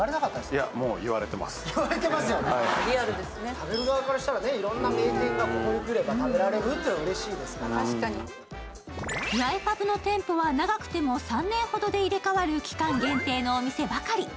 食べる側からしたら、いろんな名店がここに来たら食べられるというのはヤエパブの店舗は長くても３年ほどで入れ替わる期間限定のお店ばかり。